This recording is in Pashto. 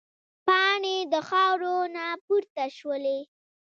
پاڼې د خاورو نه پورته شولې.